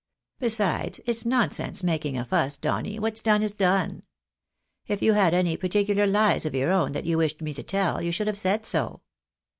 Besides, it's nonsense making a fuss, Donny, what's done is done. If you had any particular lies of your own that you wished me to tell, you should have said so.